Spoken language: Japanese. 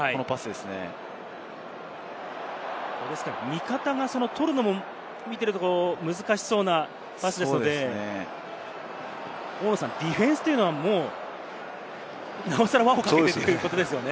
ですから味方が取るのも見ていると難しそうなパスですので、ディフェンスというのは、もうなおさら輪をかけてということですね。